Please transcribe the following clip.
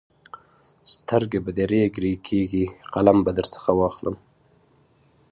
سترګې به دې رېګ رېګ کېږي؛ قلم به درڅخه واخلم.